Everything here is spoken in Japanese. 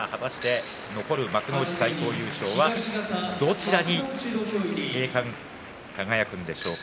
残る幕内最高優勝はどちらに栄冠が輝くのでしょうか。